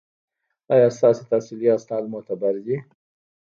ایا ستاسو تحصیلي اسناد معتبر دي؟